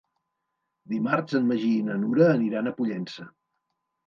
Dimarts en Magí i na Nura aniran a Pollença.